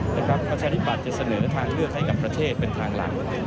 ประชาธิบัตย์จะเสนอทางเลือกให้กับประเทศเป็นทางหลัก